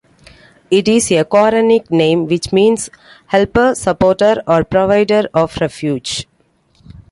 It is a Quranic name which means: helper, supporter, or provider of refuge.